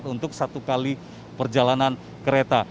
untuk satu kali perjalanan kereta